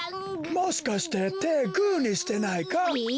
もしかしててグーにしてないか？